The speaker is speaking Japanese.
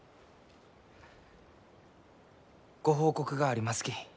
ご報告がありますき。